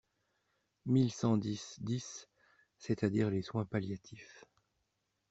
mille cent dix-dix », c’est-à-dire les soins palliatifs.